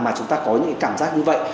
mà chúng ta có những cảm giác như vậy